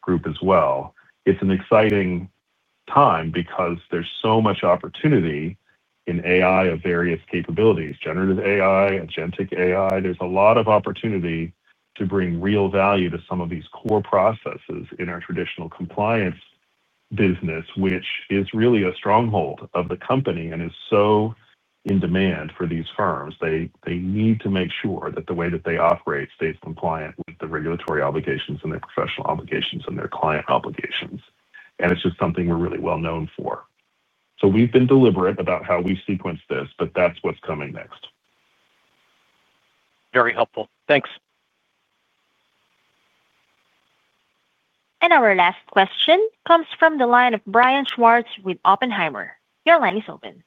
group as well. It's an exciting time because there's so much opportunity in AI of various capabilities: generative AI, agentic AI. There's a lot of opportunity to bring real value to some of these core processes in our traditional compliance business, which is really a stronghold of the company and is so in demand for these firms. They need to make sure that the way that they operate stays compliant with the regulatory obligations and their professional obligations and their client obligations. And it's just something we're really well known for. So we've been deliberate about how we sequence this, but that's what's coming next. Very helpful. Thanks. And our last question comes from the line of Brian Schwartz with Oppenheimer. Your line is open.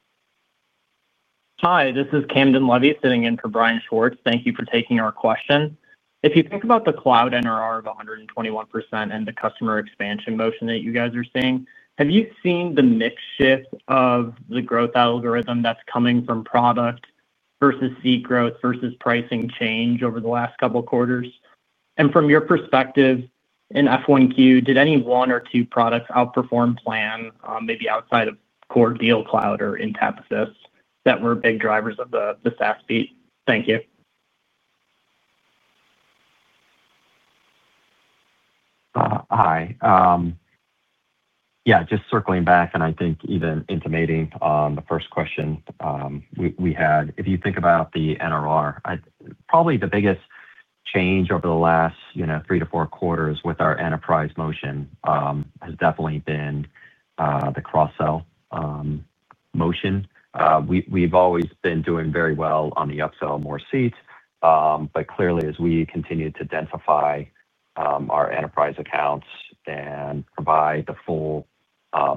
Hi. This is Camden Levy sitting in for Brian Schwartz. Thank you for taking our question. If you think about the cloud NRR of 121% and the customer expansion motion that you guys are seeing, have you seen the mix shift of the growth algorithm that's coming from product versus seat growth versus pricing change over the last couple of quarters? And from your perspective in F1Q, did any one or two products outperform plan, maybe outside of core DealCloud or Intapp Assist that were big drivers of the SaaS beat? Thank you. Hi. Yeah. Just circling back, and I think even intimating the first question. We had, if you think about the NRR, probably the biggest change over the last three to four quarters with our enterprise motion has definitely been the cross-sell motion. We've always been doing very well on the upsell more seats, but clearly, as we continue to densify our enterprise accounts and provide the full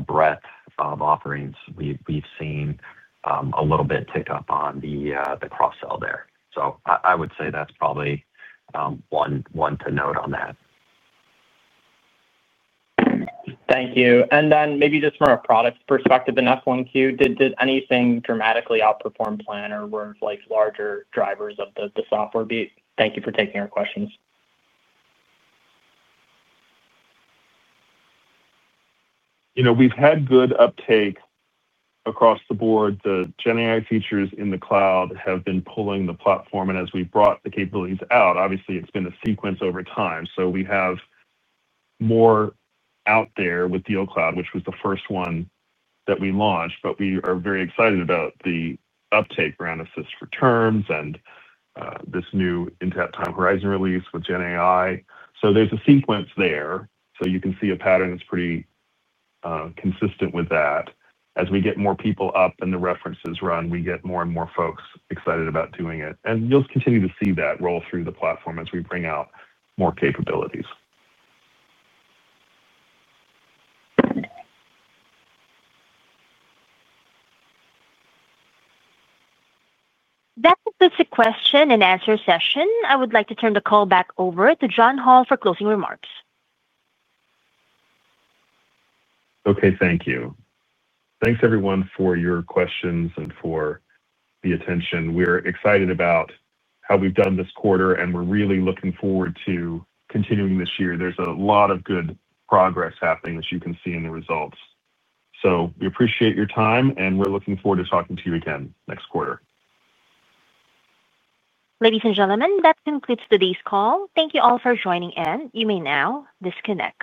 breadth of offerings, we've seen a little bit tick up on the cross-sell there. So I would say that's probably one to note on that. Thank you. And then maybe just from a product perspective in F1Q, did anything dramatically outperform plan or were larger drivers of the software beat? Thank you for taking our questions. We've had good uptake across the board. The GenAI features in the cloud have been pulling the platform. And as we've brought the capabilities out, obviously, it's been a sequence over time. So we have. More out there with DealCloud, which was the first one that we launched, but we are very excited about the uptake around Assist for Terms and this new Intapp Time Horizon release with GenAI. So there's a sequence there. So you can see a pattern that's pretty consistent with that. As we get more people up and the references run, we get more and more folks excited about doing it. And you'll continue to see that roll through the platform as we bring out more capabilities. That concludes the question and answer session. I would like to turn the call back over to John Hall for closing remarks. Okay. Thank you. Thanks, everyone, for your questions and for the attention. We're excited about how we've done this quarter, and we're really looking forward to continuing this year. There's a lot of good progress happening, as you can see in the results. So we appreciate your time, and we're looking forward to talking to you again next quarter. Ladies and gentlemen, that concludes today's call. Thank you all for joining in. You may now disconnect.